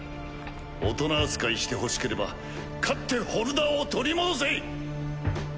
大人扱いしてほしければ勝ってホルダーを取り戻せ！